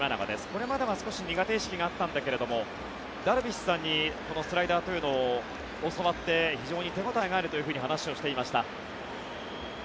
これまでは少し苦手意識があったんだけれどもダルビッシュさんにスライダーというのを教わって非常に手応えがあると話していました。